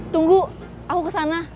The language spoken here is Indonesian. tunggu aku kesana